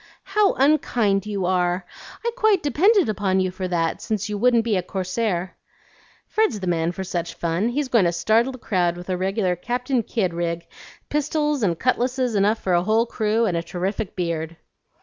"How unkind you are! I quite depended on you for that, since you wouldn't be a corsair." "Fred's the man for such fun. He's going to startle the crowd with a regular Captain Kidd rig, pistols and cutlasses enough for a whole crew, and a terrific beard."